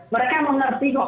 mereka mengerti kok